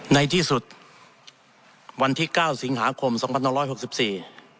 ในที่สุดวันที่เก้าสิงหาคมสองพันห้าร้อยหกสิบสี่